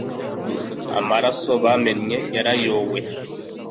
amaraso bamennye yarayowe